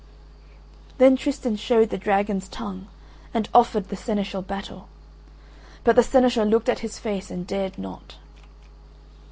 Then Tristan showed the dragon's tongue and offered the seneschal battle, but the seneschal looked at his face and dared not.